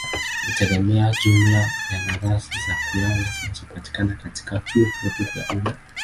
hutegemea jumla ya nafasi za kulala zinazopatikana katika vyuo vyote vya umma.